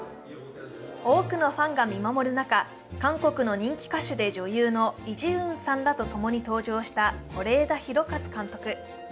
多くのファンが見守る中、韓国の人気歌手で女優のイ・ジウンさんらと共に登場した是枝裕和監督。